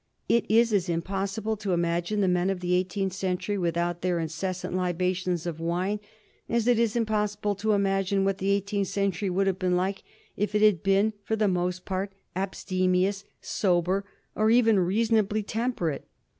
It is as impossible to imagine the men of the eighteenth century without their incessant libations of wine as it is impossible to imagine what the eighteenth century would have been like if it had been for the most part abstemious, sober, or even reasonably temperate.